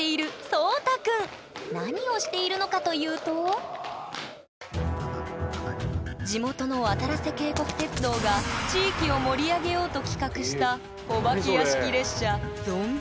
何をしているのかというと地元のわたらせ渓谷鐵道が地域を盛り上げようと企画したお化け屋敷列車